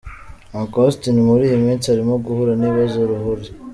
Uncle Austin muri iyi minsi arimo guhura n'ibibazo uruhuri.